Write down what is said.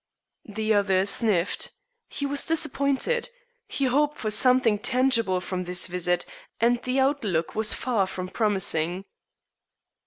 The other sniffed. He was disappointed. He hoped for something tangible from this visit, and the outlook was far from promising.